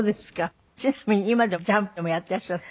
ちなみに今でもジャンプもやっていらっしゃる？